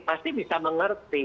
pasti bisa mengerti